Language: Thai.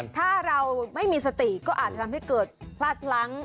ถ้าเราไม่มีสติก็อาจจะทำให้เกิดพลาดพลั้ง